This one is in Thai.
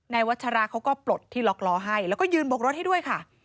วัชราเขาก็ปลดที่ล็อกล้อให้แล้วก็ยืนบกรถให้ด้วยค่ะ